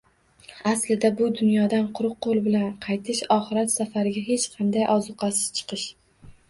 Aslida, bu dunyodan quruq qo‘l bilan qaytish, oxirat safariga hech qanday ozuqasiz chiqish